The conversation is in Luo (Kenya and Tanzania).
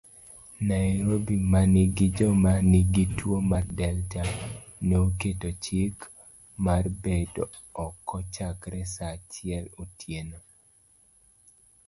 Nairobi manigi joma nigi tuo mar Delta, neoketo chik marbedo oko chakre saachiel otieno.